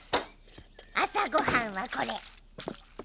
朝ごはんはこれ。